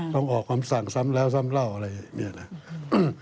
ต้องออกความสั่งสั้นแล้วส้ำเล่าอะไรอย่างนี้